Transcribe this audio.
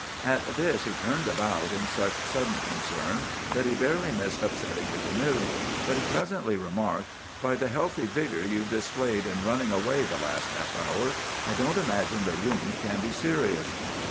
At this he turned about in such sudden concern that he barely missed upsetting the canoe; but he presently remarked, 'By the healthy vigor you've displayed in running away the last half hour, I don't imagine the wound can be serious.